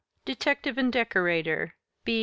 _ Detective and decorator, _b.